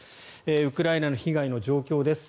ウクライナの被害の状況です。